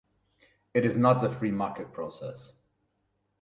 It is not a free market process.